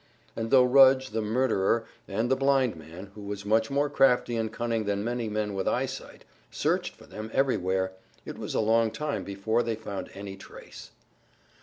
And though Rudge, the murderer, and the blind man (who was much more crafty and cunning than many men with eyesight) searched for them everywhere, it was a long time before they found any trace.